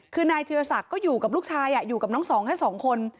คือนายธิรศักดิ์ก็อยู่กับลูกชายอยู่กับน้องสองแค่สองคน